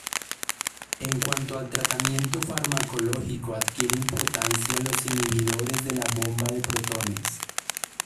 En cuanto al tratamiento farmacológico adquiere importancia los inhibidores de la bomba de protones.